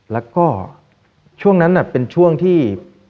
แล้วก็ช่วงนั้นเป็นช่วงที่